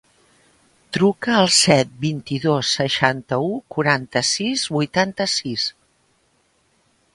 Truca al set, vint-i-dos, seixanta-u, quaranta-sis, vuitanta-sis.